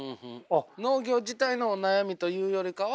農業自体のお悩みというよりかは。